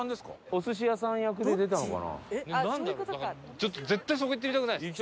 ちょっと絶対そこ行ってみたくないですか？